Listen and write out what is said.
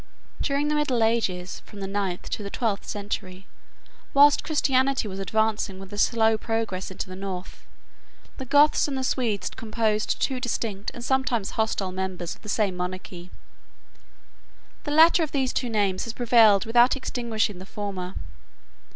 During the middle ages, (from the ninth to the twelfth century,) whilst Christianity was advancing with a slow progress into the North, the Goths and the Swedes composed two distinct and sometimes hostile members of the same monarchy. 7 The latter of these two names has prevailed without extinguishing the former.